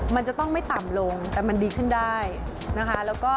มันจะต้องไม่ต่ำลงแต่มันดีขึ้นได้นะคะ